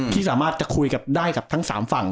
ที่สามารถจะคุยกับได้กับทั้ง๓ฝั่ง